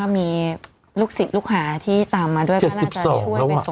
มีลูกศิษย์ลูกหาที่ตามมาด้วยก็น่าจะช่วยไปส่ง